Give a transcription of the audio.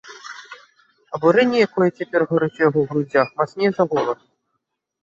Абурэнне, якое цяпер гарыць у яго грудзях, мацней за голад.